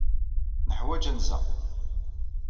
Neḥwaj anza.